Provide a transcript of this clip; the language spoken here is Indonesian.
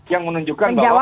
yang menunjukkan bahwa